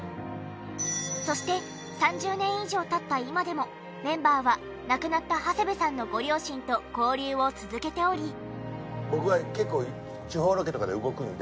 そして３０年以上経った今でもメンバーは亡くなった長谷部さんのご両親と交流を続けており。